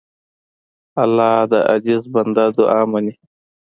الله د عاجز بنده دعا منې.